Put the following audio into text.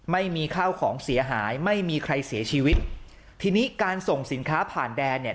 ไม่มีข้าวของเสียหายไม่มีใครเสียชีวิตทีนี้การส่งสินค้าผ่านแดนเนี่ย